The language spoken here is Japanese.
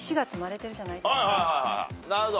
なるほど。